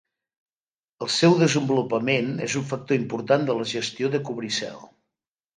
El seu desenvolupament és un factor important de la gestió de cobricel.